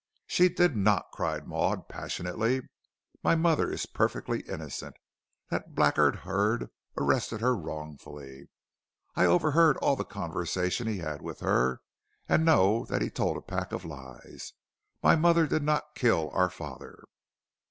"She did not," cried Maud, passionately, "my mother is perfectly innocent. That blackguard Hurd arrested her wrongfully. I overheard all the conversation he had with her, and know that he told a pack of lies. My mother did not kill our father."